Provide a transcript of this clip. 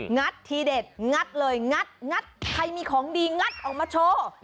ัดทีเด็ดงัดเลยงัดใครมีของดีงัดออกมาโชว์